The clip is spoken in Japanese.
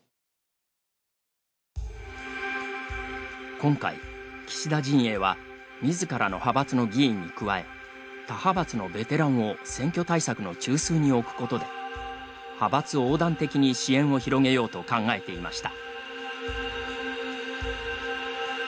今回、岸田陣営はみずからの派閥の議員に加え他派閥のベテランを選挙対策の中枢に置くことで派閥横断的に支援を広げようと考えていました。